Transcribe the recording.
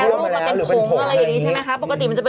โอเคโอเคโอเค